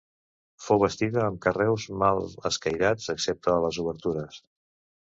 Fou bastida amb carreus mal escairats excepte a les obertures.